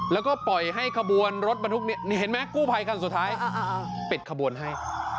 แล้วก็ปล่อยให้ขบวนรถบรรทุกนี้เห็นไหมกู้ภัยคันสุดท้ายปิดขบวนให้